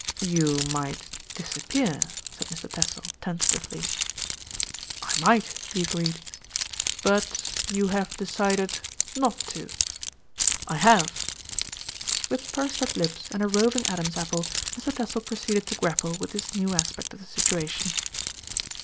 "You might disappear," said Mr. Tassell tenta tively. "I might," he agreed. "But you have decided not to?" "I have." With pursed up lips and a roving Adam's apple, Mr. Tassell proceeded to grapple with this new aspect of the situation.